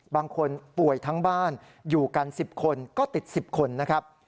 บางคนป่วยทั้งบ้านอยู่กัน๑๐คนก็ติด๑๐คนนะครับ